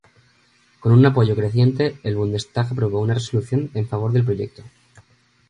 Con un apoyo creciente, el Bundestag aprobó una resolución en favor del proyecto.